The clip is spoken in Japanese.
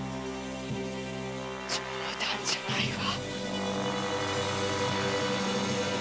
冗談じゃないわ！